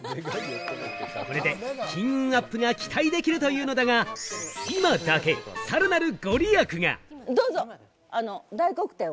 これで金運アップが期待できるというのだが、今だけさらなる御利益が。